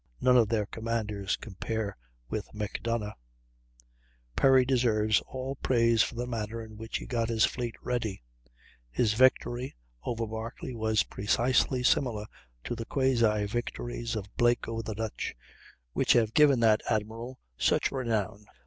None of their commanders compare with Macdonough. Perry deserves all praise for the manner in which he got his fleet ready; his victory over Barclay was precisely similar to the quasi victories of Blake over the Dutch, which have given that admiral such renown.